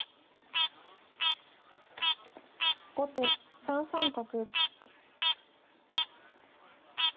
後手３三角。